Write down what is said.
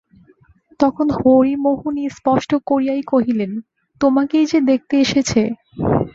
তখন হরিমোহিনী স্পষ্ট করিয়াই কহিলেন, তোমাকেই যে দেখতে এসেছে।